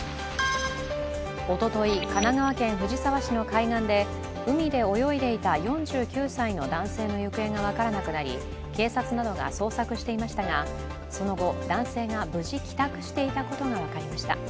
おととい、神奈川県藤沢市の海岸で海で泳いでいた４９歳の男性の行方が分からなくなり警察などが捜索していましが、その後、男性が無事帰宅していたことが分かりました。